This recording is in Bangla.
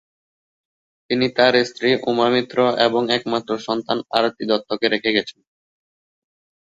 তিনি তার স্ত্রী উমা মিত্র এবং একমাত্র সন্তান আরতি দত্তকে রেখে গেছেন।